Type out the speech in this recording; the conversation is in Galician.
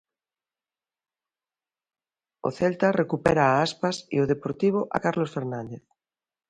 O Celta recupera a Aspas e o Deportivo a Carlos Fernández.